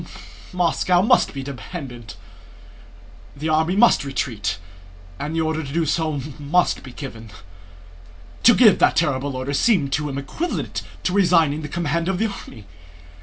Moscow must be abandoned. The army must retreat and the order to do so must be given." To give that terrible order seemed to him equivalent to resigning the command of the army.